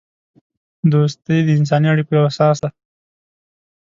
دوستی د انسانی اړیکو یوه اساس ده.